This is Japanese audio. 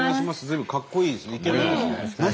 随分かっこいいですね。